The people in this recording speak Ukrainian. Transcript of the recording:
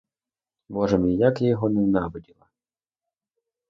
Боже мій, як я його ненавиділа!